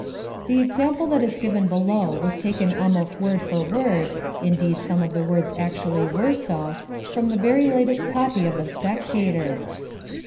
The example that is given below was taken almost word for word (indeed some of the words actually were so) from the very latest copy of The Spectator.